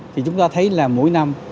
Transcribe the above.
thì chúng ta thấy là mỗi năm